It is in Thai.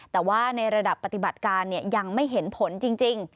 แต่ว่าในระดับปฏิบัติการยังไม่เห็นผลจริง